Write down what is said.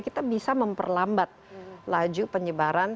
kita bisa memperlambat laju penyebaran